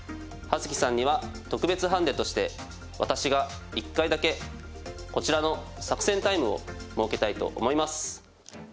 葉月さんには特別ハンデとして私が１回だけこちらの作戦タイムを設けたいと思います。